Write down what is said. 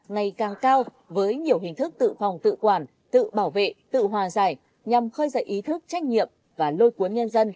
ngày càng cao với nhiều hình thức tự phòng tự quản tự bảo vệ tự hòa giải nhằm khơi dậy ý thức trách nhiệm và lôi cuốn nhân dân